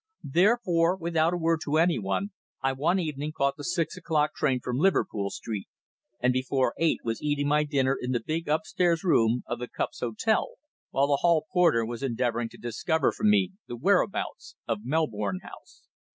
Therefore, without a word to anyone, I one evening caught the six o'clock train from Liverpool Street, and before eight was eating my dinner in the big upstairs room of The Cups Hotel, while the hall porter was endeavouring to discover for me the whereabouts of Melbourne House.